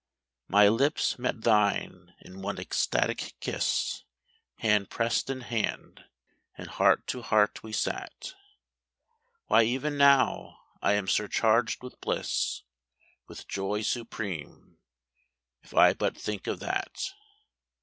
My lips met thine in one ecstatic kiss. Hand pressed in hand, and heart to heart we sat. Why even now I am surcharged with bliss With joy supreme, if I but think of that.